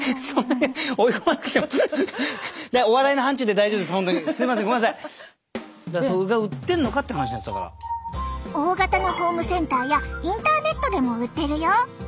大型のホームセンターやインターネットでも売ってるよ。